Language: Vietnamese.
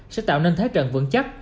sẽ tạo nên thế trận vững chắc